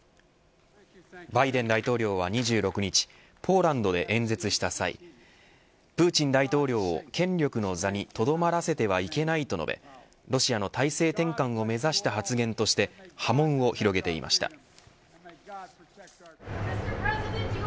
バイデン大統領は２６日ポーランドで演説した際プーチン大統領を権力の座にとどまらせてはいけないと述べロシアの体制転換を目指した発言として波紋を広げていました。